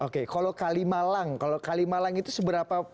kalau kalimalang itu seberapa